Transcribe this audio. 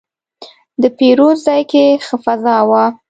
د پیرود ځای کې ښه فضا وه.